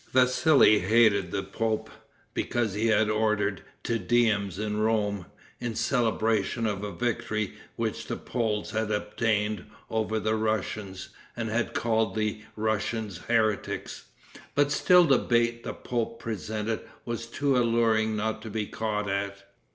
Vassili hated the pope, because he had ordered Te Deums in Rome, in celebration of a victory which the Poles had obtained over the Russians, and had called the Russians heretics. But still the bait the pope presented was too alluring not to be caught at.